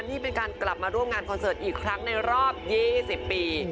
นี่เป็นการกลับมาร่วมงานคอนเสิร์ตอีกครั้งในรอบ๒๐ปี